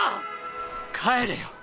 帰れよ。